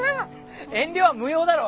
遠慮は無用だろ。